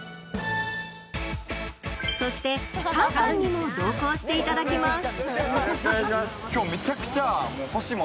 そして菅さんにも動向していただきます。